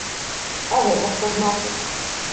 А гэта што значыць?